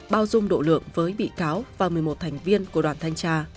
bao dung độ lượng với bị cáo và một mươi một thành viên của đoàn thanh tra